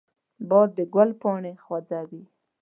باد د ګل پاڼې خوځوي